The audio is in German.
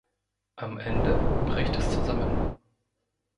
Am Ende bricht es zusammen.